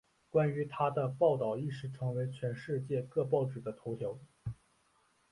关于她的报道一时成为全世界各报纸的头条。